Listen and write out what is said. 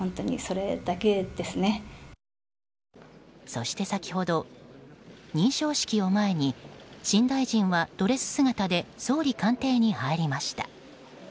そして先ほど、認証式を前に新大臣は、ドレス姿で総理官邸に入りました。